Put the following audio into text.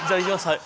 はい。